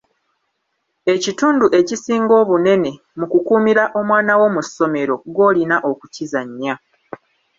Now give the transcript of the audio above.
Ekitundu ekisinga obunene mu kukuumira omwana wo mu ssomero gw'olina okukizannya.